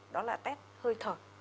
đó là test hơi thở